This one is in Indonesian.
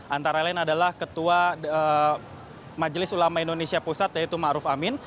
antara lain adalah ketua majelis ulama indonesia pusat yaitu ma'ruf amin